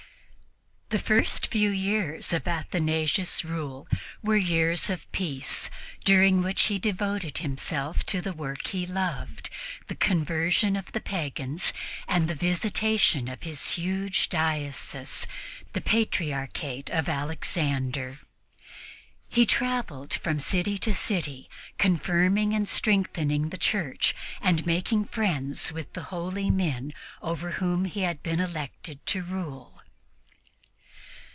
The first few years of Athanasius' rule were years of peace during which he devoted himself to the work he loved, the conversion of the pagans and the visitation of his huge diocese, the Patriarchate of Alexander. He traveled from city to city confirming and strengthening the Church and making friends with the holy men over whom he had been called to rule.